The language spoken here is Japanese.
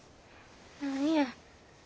何や。